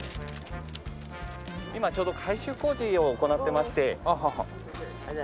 今ちょうど改修工事を行ってまして。